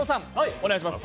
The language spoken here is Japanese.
お願いします。